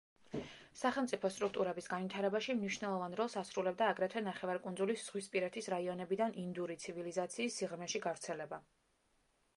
სახელმწიფო სტრუქტურების განვითარებაში მნიშვნელოვან როლს ასრულებდა აგრეთვე, ნახევარკუნძულის ზღვისპირეთის რაიონებიდან ინდური ცივილიზაციის სიღრმეში გავრცელება.